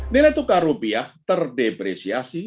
nilai tukar rupiah terdepresiasi